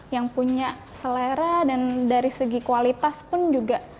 yang punya selera dan dari segi kualitas pun juga